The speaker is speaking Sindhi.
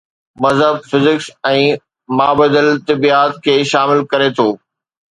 مذهب فزڪس ۽ مابعدالطبعيات کي شامل ڪري ٿو.